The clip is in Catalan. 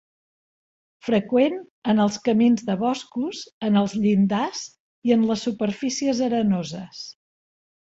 Freqüent en els camins de boscos, en els llindars i en les superfícies arenoses.